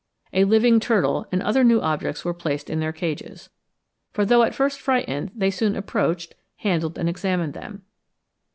a living turtle, and other new objects were placed in their cages; for though at first frightened, they soon approached, handled and examined them.